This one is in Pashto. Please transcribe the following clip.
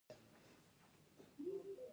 آزاد تجارت مهم دی ځکه چې روغتیا پرمختګ ورکوي.